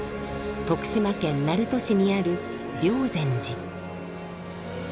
徳島県鳴門市にある霊山寺。